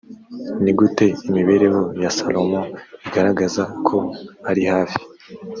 ni gute imibereho ya salomo igaragaza ko ari hafii